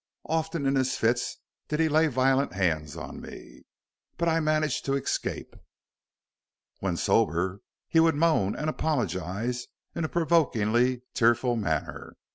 Often in his fits did he lay violent hands on me. But I managed to escape. When sober, he would moan and apologize in a provokingly tearful manner.